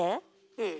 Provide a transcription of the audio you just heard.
うん。